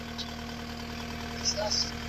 ژوره تجزیه له سطحي مطالعې څخه خورا پیاوړې ده.